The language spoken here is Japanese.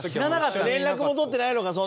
連絡も取ってないのかその時。